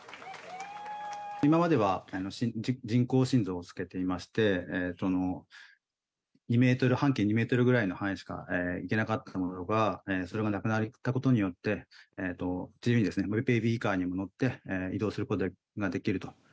今までは人工心臓をつけていまして、２メートル、半径２メートルぐらいの範囲しか行けなかったものが、それがなくなったことによって、自由にですね、ベビーカーにも乗って、移動することができると。